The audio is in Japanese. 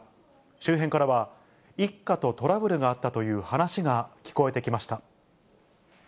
周辺からは一家とトラブルがあったという話が聞こえてきました。